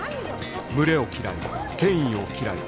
群れを嫌い権威を嫌い